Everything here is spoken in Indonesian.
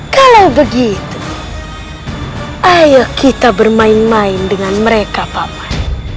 kalau begitu ayo kita bermain main dengan mereka papan